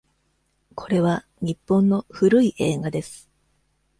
これは日本の古い映画です。